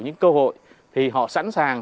những cơ hội thì họ sẵn sàng